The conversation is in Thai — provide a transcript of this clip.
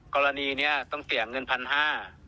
กรณีนี้ต้องเสียเงินพันห้า